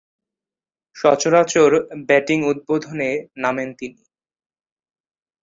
সচরাচর ব্যাটিং উদ্বোধনে নামেন তিনি।